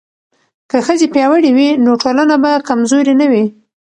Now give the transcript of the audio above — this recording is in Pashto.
که ښځې پیاوړې وي نو ټولنه به کمزورې نه وي.